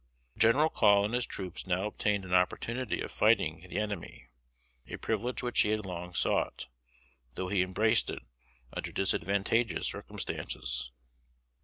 General Call and his troops now obtained an opportunity of fighting the enemy; a privilege which he had long sought, though he embraced it under disadvantageous circumstances.